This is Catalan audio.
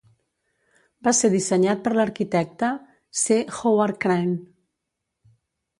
Va ser dissenyat per l'arquitecte C. Howard Crane.